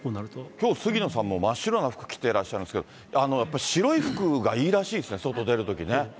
きょう、杉野さん、真っ白な服を着てらっしゃいますけど、やっぱり白い服がいいらしいですね、外出るときね。